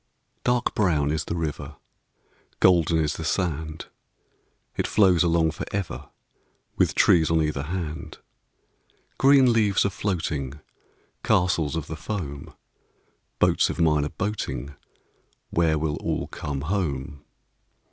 Dark brown is the river, Golden is the sand. It flows along for ever, With trees on either hand. Green leaves a floating, Castles of the foam, Boats of mine a boating— Where will all come home?